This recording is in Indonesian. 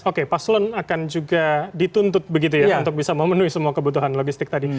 oke paslon akan juga dituntut begitu ya untuk bisa memenuhi semua kebutuhan logistik tadi